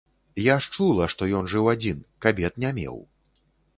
Я ж чула, што ён жыў адзін, кабет не меў.